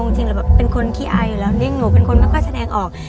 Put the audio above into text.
จริงเป็นคนขี้อายอยู่แล้วหนูเป็นคนไม่ค่อยแสดงออก